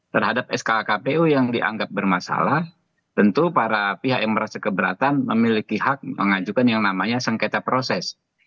terhadap sk kpu yang dianggap bermasalah tentu para pihak yang merasa keberatan memiliki hak mengajukan yang namanya sengketa proses